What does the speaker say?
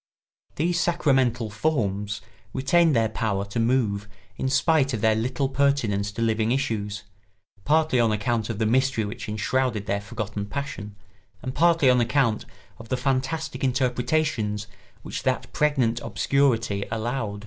These sacramental forms retained their power to move in spite of their little pertinence to living issues, partly on account of the mystery which enshrouded their forgotten passion and partly on account of the fantastic interpretations which that pregnant obscurity allowed.